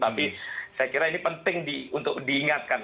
tapi saya kira ini penting untuk diingatkan